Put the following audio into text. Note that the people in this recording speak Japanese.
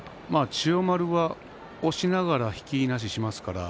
千代丸は押しながら引きいなししますからね。